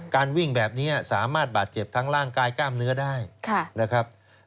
วิ่งแบบนี้สามารถบาดเจ็บทั้งร่างกายกล้ามเนื้อได้นะครับ